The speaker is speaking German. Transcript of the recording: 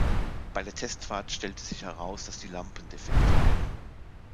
Bei der Testfahrt stellte sich heraus, dass die Lampen defekt waren.